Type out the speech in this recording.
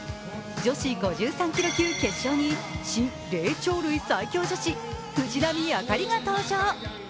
女子５３キロ級決勝に新霊長類最強女子、藤波朱理が登場。